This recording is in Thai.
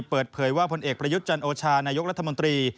เปิดเผยว่าพลเอกประยุทธ์จันโอชานายกรัฐมนตรี